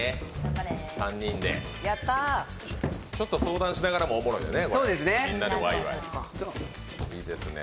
ちょっと相談しながらもおもろいよね